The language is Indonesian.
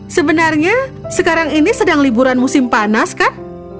sebenarnya sekarang ini sedang liburan musim panas kah